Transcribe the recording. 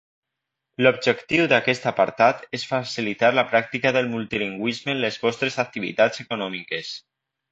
L'objectiu d'aquest apartat és facilitar la pràctica del multilingüisme en les vostres activitats econòmiques.